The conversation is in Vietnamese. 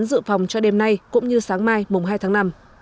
phương án dự phòng cho đêm nay cũng như sáng mai mùng hai tháng năm